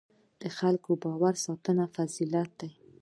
د خلکو باور ساتنه فضیلت دی.